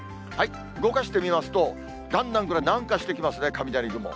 動かしてみますと、だんだんこれが南下してきますね、雷雲。